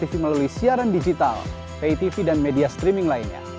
kompastv melalui siaran digital pitv dan media streaming lainnya